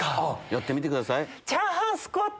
やってみてください。